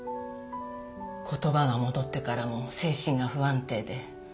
言葉が戻ってからも精神が不安定で。